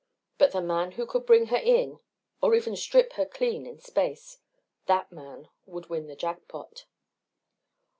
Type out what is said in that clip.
But the man who could bring her in or even strip her clean in space that man would win the jackpot.